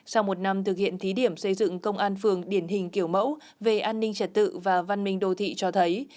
sau một năm thực hiện thí điểm xây dựng công an phường điển hình kiểu mẫu về an ninh trật tự và văn minh đô thị cho thấy